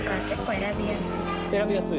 選びやすい？